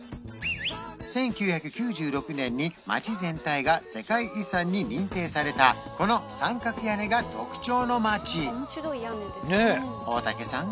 １９９６年に街全体が世界遺産に認定されたこの三角屋根が特徴の街大竹さん